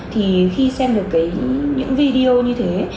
thì khi xem được những video này